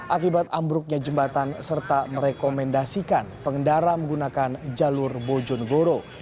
akibat amruknya jembatan serta merekomendasikan pengendara menggunakan jalur bojo negoro